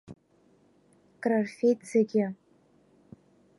Крырфеит зегьы.